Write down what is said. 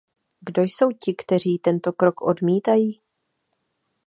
Kdo jsou ti, kteří tento krok odmítají?